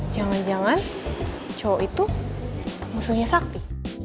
jangan jangan cowok itu musuhnya sakti